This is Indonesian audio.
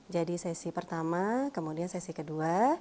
jadi sesi pertama kemudian sesi kedua